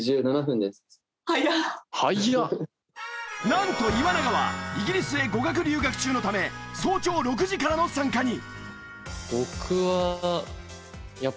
なんと岩永はイギリスへ語学留学中のため早朝６時からの参加に。